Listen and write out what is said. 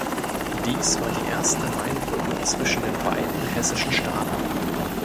Dies war die erste Mainbrücke zwischen den beiden hessischen Staaten.